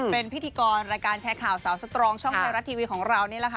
เป็นพิธีกรรายการแชร์ข่าวสาวสตรองช่องไทยรัฐทีวีของเรานี่แหละค่ะ